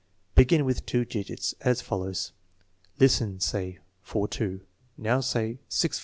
Begin with two digits, as follows: "Listen; say 4 2." "Now, say 6 4 1."